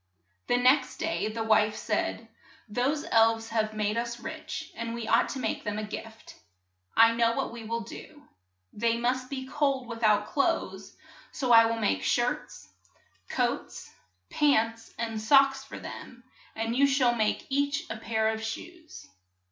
The next day the wife said, "Those elves have made us rich, and we ought to make them a |\V gift. I know what we ^ will do. They must be cold with out clothes, so . I will make shirts ' coats ' 22 TALES ABOUT ELVES pants, and socks for them and you shall make each a pair of shoes.